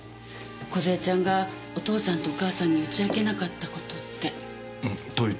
梢ちゃんがお父さんとお母さんに打ち明けなかった事って。というと？